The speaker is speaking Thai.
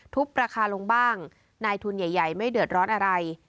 ราคาลงบ้างนายทุนใหญ่ไม่เดือดร้อนอะไร